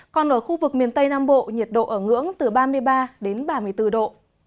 còn ở khu vực miền tây nam bộ nhiệt độ ở ngưỡng từ ba mươi ba đến ba mươi bốn độ